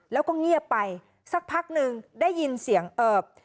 แล้วก็เงียบไปสักพักหนึ่งได้ยินเสียงเอิบ